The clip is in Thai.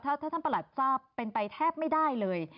ถ้าท่านประหลัดทราบเป็นไปแทบไม่ได้เลย